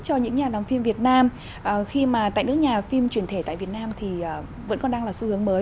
cho những nhà làm phim việt nam khi mà tại nước nhà phim truyền thể tại việt nam thì vẫn còn đang là xu hướng mới